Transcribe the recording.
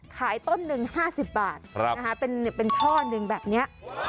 ต้นหนึ่ง๕๐บาทเป็นท่อหนึ่งแบบนี้